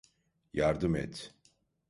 Yardım et.